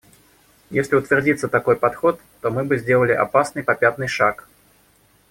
Если утвердится такой подход, то мы бы сделали опасный попятный шаг.